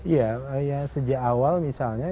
iya sejak awal misalnya